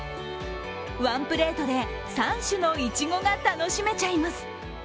ワンプレートで３種のいちごが楽しめちゃいます。